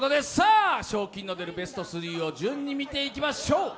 賞金の出るベスト３を順に見ていきましょう。